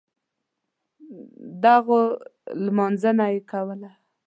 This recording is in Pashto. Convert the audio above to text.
دهغو لمانځنه یې کوله.